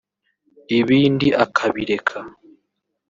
ibindi akabireka